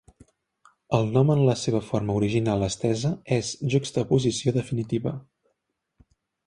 El nom en la seva forma original estesa és Juxtaposició definitiva.